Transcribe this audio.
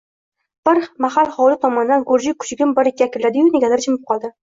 Bir mahal hovli tomonda gurji kuchugim bir-ikki akilladi-yu, negadir jimib qoldi.